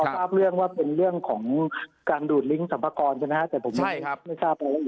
แต่ว่าก็พอทราบเรื่องว่าเป็นเรื่องของการดูดลิงค์สัมภาคอลใช่ไหมครับ